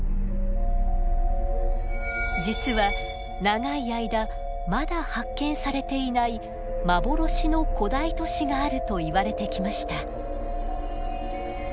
実は長い間まだ発見されていない幻の古代都市があるといわれてきました。